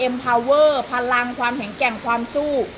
พาเวอร์พลังความแข็งแกร่งความสู้